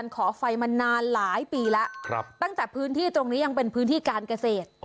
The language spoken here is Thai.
ขอไฟมานานหลายปีแล้วตั้งแต่พื้นที่ตรงนี้ยังเป็นพื้นที่การเกษตร